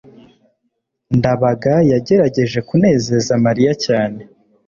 ndabaga yagerageje kunezeza mariya cyane